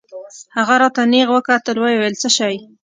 هغه راته نېغ وکتل ويې ويل څه شى.